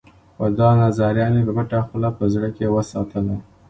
خو دا نظريه مې په پټه خوله په زړه کې وساتله.